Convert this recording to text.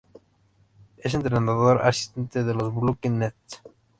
Es entrenador asistente de los Brooklyn Nets.